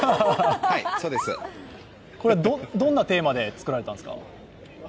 これはどんなテーマで作られたんですか。